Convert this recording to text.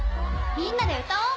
みんなで歌おう。